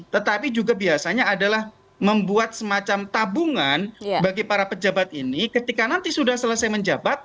tetapi juga biasanya adalah membuat semacam tabungan bagi para pejabat ini ketika nanti sudah selesai menjabat